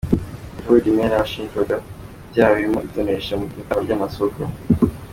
Evode Imena washinjwaga ibyaha birimo itonesha mu itangwa ry’amasoko.